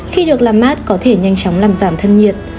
khi được làm mát có thể nhanh chóng làm giảm thân nhiệt